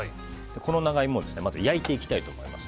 この長イモをまずは焼いていきたいと思います。